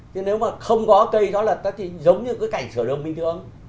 thì nếu mà không có cây gió lật thì giống như cái cảnh sửa đường bình thường